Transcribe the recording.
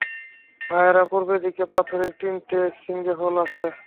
ভাইয়েরা, পূর্ব দিকের পাথরে তিনটে সিঙ্কহোল আছে।